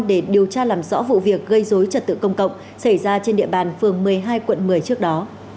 để điều tra làm rõ vụ việc gây dối trật tự công cộng xảy ra trên địa bàn phường một mươi hai quận một mươi trước đó